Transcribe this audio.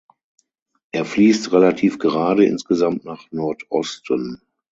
Er fließt relativ gerade insgesamt nach Nordosten.